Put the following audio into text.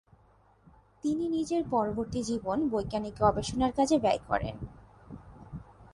তিনি নিজের পরবর্তী জীবন বৈজ্ঞানিক গবেষণার কাজে ব্যয় করেন।